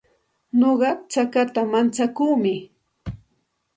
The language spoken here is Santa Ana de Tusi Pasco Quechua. Nuqa chakata mantsakuumi.